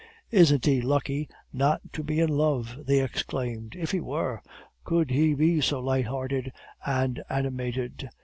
'Isn't he lucky, not to be in love!' they exclaimed. 'If he were, could he be so light hearted and animated?